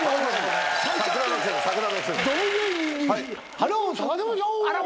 花を咲かせましょ！うわ！